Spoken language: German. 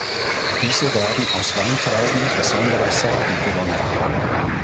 Diese werden aus Weintrauben besonderer Sorten gewonnen.